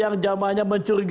dan ada tapak meng personal